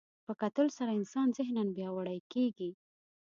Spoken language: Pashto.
په کتلو سره انسان ذهناً پیاوړی کېږي